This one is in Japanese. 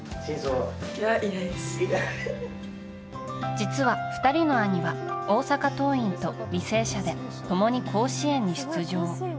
実は２人の兄は大阪桐蔭と履正社で共に甲子園に出場。